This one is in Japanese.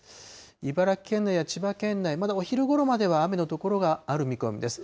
茨城県内や千葉県内、まだお昼ごろまでは雨の所がある見込みです。